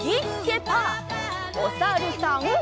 おさるさん。